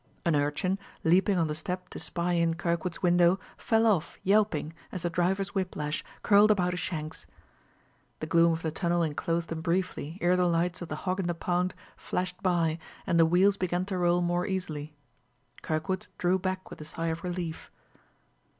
An urchin, leaping on the step to spy in Kirkwood's window, fell off, yelping, as the driver's whiplash curled about his shanks. The gloom of the tunnel inclosed them briefly ere the lights of the Hog in the Pound flashed by and the wheels began to roll more easily. Kirkwood drew back with a sigh of relief.